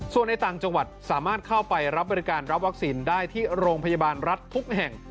ส่วนในต่างจังหวัดสามารถเข้าไปรับบริการรับวัคซีนได้ที่โรงพยาบาลรัฐทุกแห่ง